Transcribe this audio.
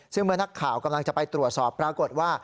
ซึ่งเมื่อนักข่าวกำลังจะไปตรวจสอบปรากฏว่า